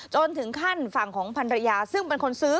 จนถึงขั้นฝั่งของพันรยาซึ่งเป็นคนซื้อ